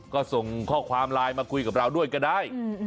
ก็ส่งข้อความไลน์มาคุยกับเราด้วยก็ได้